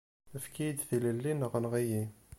Efk-iyi-d tilelli neɣ enɣ-iyi.